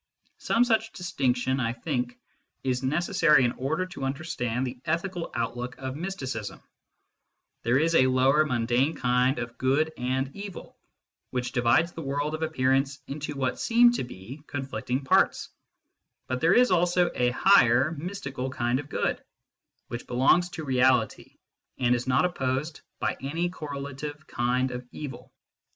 Some such distinction, I think, is necessary in order to understand the ethical outlook of mysticism : there is a lower mundane kind of good and evil, which divides the world of appearance into what seem to be conflicting parts ; but there is also a higher, mystical kind of good, which belongs to Reality and is not opposed by any correlative kind of evil.